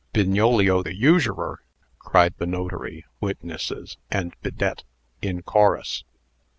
"Bignolio the usurer!" cried the notary, witnesses, and Bidette in chorus.